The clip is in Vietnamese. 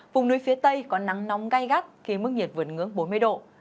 vùng núi phía tây có nắng nóng gai gắt khi mức nhiệt vượt ngưỡng bốn mươi độ